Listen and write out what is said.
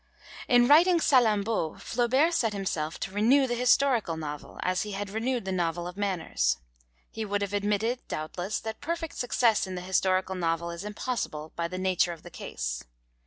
In writing Salammbô Flaubert set himself to renew the historical novel, as he had renewed the novel of manners. He would have admitted, doubtless, that perfect success in the historical novel is impossible, by the nature of the case.